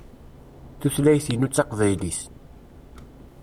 Tutlayt-inu d taqbaylit.